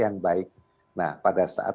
yang baik pada saat